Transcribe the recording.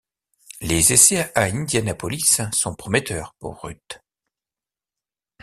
Les essais à Indianapolis sont prometteurs pour Ruth.